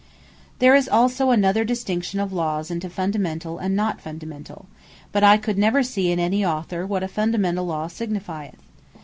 Another Division Of Lawes There is also another distinction of Laws, into Fundamentall, and Not Fundamentall: but I could never see in any Author, what a Fundamentall Law signifieth.